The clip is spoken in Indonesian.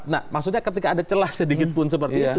nah maksudnya ketika ada celah sedikitpun seperti itu